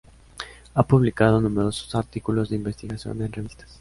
Ha publicado numerosos artículos de investigación en revistas.